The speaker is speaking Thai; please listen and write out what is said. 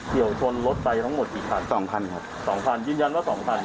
เดี๋ยวชนรถไปทั้งหมดกี่คัน๒๐๐๐ครับ๒๐๐๐ยืนยันว่า๒๐๐๐